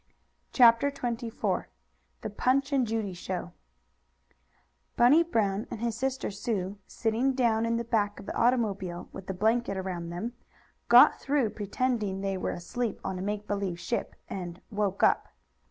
CHAPTER XXIV THE PUNCH AND JUDY SHOW Bunny Brown and his sister Sue, sitting down in the back part of the automobile, with the blanket around them, got through pretending they were asleep on a make believe ship, and "woke up."